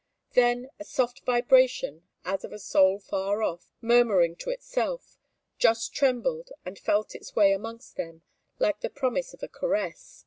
Then a soft vibration, as of a soul far off, murmuring to itself, just trembled and felt its way amongst them, like the promise of a caress.